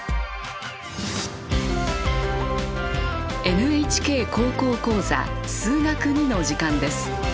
「ＮＨＫ高校講座数学Ⅱ」の時間です。